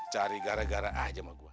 cari gara gara aja sama gue